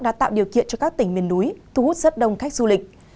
đã tạo điều kiện cho các tỉnh miền núi thu hút rất đông khách du lịch